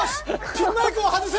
ピンマイクを外せ！